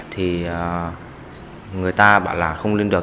thì người ta bảo là không lên được